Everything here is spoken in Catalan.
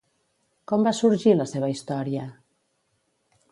Com va sorgir la seva història?